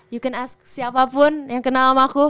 you can us siapapun yang kenal sama aku